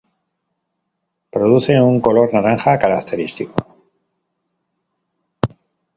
Produce un color naranja característico.